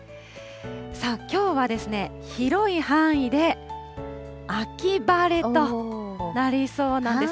さあ、きょうは広い範囲で秋晴れとなりそうなんです。